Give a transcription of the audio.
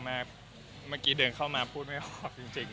เมื่อกี้เดินเข้ามาพูดไม่ออกจริง